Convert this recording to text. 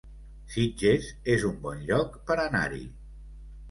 Sitges es un bon lloc per anar-hi